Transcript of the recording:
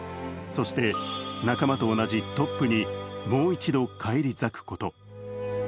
そして仲間と同じトップにもう一度返り咲くこと。